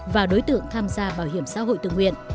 và đối tượng tham gia bảo hiểm xã hội tự nguyện